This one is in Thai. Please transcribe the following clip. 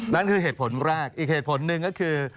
นั่นคือเหตุผลแรกอีกเหตุผลหนึ่งก็คือ